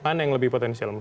mana yang lebih potensial